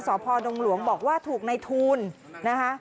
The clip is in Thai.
สพดงหลวงบอกว่าถูกในทูลนะคะ